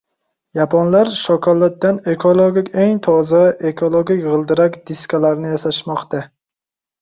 Yaponlar shokoladdan ekologik eng toza ekologik g‘ildirak diskalarini yasashmoqda